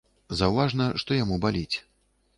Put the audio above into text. Заўважна, што яму баліць.